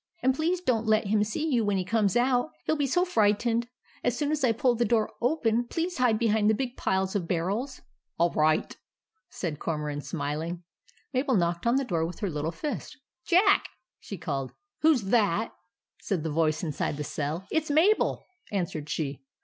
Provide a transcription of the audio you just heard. " And please don't let him see you when he comes out. He '11 be so frightened. As soon as I pull the door open, please hide behind the big piles of barrels." " ALL RIGHT," said Cormoran, smiling. Mabel knocked on the door with her little fist. THE RESCUE OF JACK 219 " Jack !" she called. " Who 's that ?" said the voice inside the cell. " It 's Mabel," answered she.